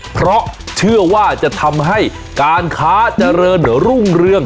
เพราะเชื่อว่าจะทำให้การค้าเจริญรุ่งเรือง